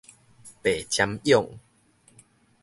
白針蛹